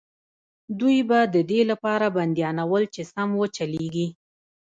دوی به د دې لپاره بندیانول چې سم وچلېږي.